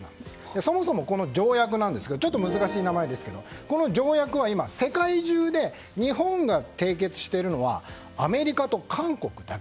そもそもこの条約なんですが難しい名前ですけどもこの条約は世界中で日本が締結しているのはアメリカと韓国だけ。